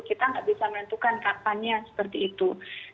kita nggak bisa menentukan kapannya seperti itu